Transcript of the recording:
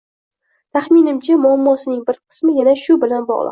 Taxminimcha, muammosining bir qismi yana shu bilan bog‘liq.